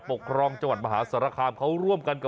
แบบนี้คือแบบนี้คือแบบนี้คือแบบนี้คือ